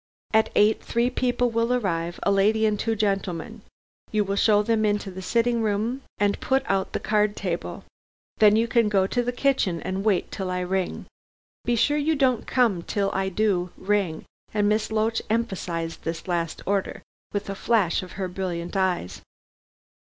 At eight, three people will arrive a lady and two gentlemen. You will show them into the sitting room and put out the card table. Then you can go to the kitchen and wait till I ring. Be sure you don't come till I do ring," and Miss Loach emphasized this last order with a flash of her brilliant eyes.